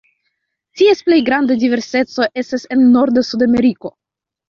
Ties plej granda diverseco estas en norda Sudameriko.